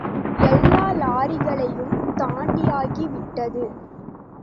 எல்லா லாரிகளையும் தாண்டியாகி விட்டது.